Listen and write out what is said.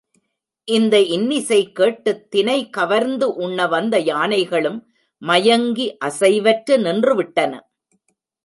இந்த இன்னிசை கேட்டுத் தினை கவர்ந்து உண்ண வந்த யானைகளும் மயங்கி அசைவற்று நின்றுவிட்டன.